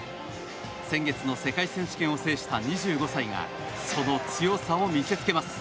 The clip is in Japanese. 先月の世界選手権を制した２５歳がその強さを見せつけます。